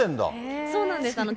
そうなんです。